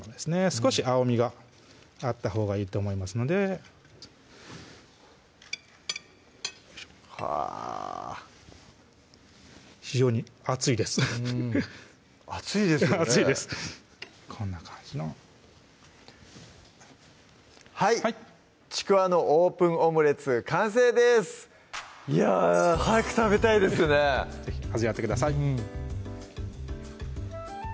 少し青みがあったほうがいいと思いますのではぁ非常に熱いです熱いですよね熱いですこんな感じのはい「ちくわのオープンオムレツ」完成ですいや早く食べたいですね是非味わってください